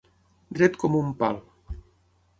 Dret com un pal.